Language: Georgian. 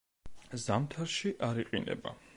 ზამთარში არ იყინება.